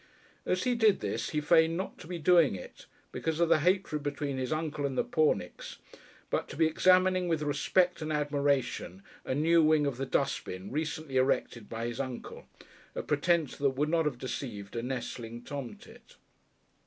As he did this he feigned not to be doing it, because of the hatred between his uncle and the Pornicks, but to be examining with respect and admiration a new wing of the dustbin recently erected by his uncle a pretence that would not have deceived a nestling tomtit.